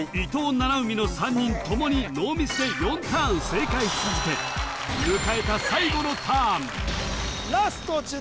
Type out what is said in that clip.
七海の３人ともにノーミスで４ターン正解し続け迎えた最後のターンラスト１０